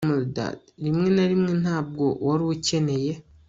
Rimwe na rimwe ntabwo wari unkeneye